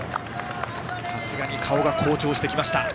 さすがに顔が紅潮してきました。